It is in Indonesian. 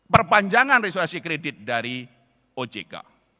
perpanjangan resuasi kredit dari ojk